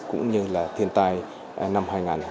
cũng như là thiên tai năm hai nghìn hai mươi